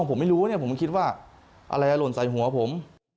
ผมไม่รู้เนี่ยผมคิดว่าอะไรหล่นใส่หัวผม